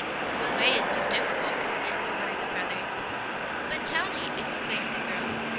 "" The way is too difficult," answered one of the brothers. " But tell me! " exclaimed the girl.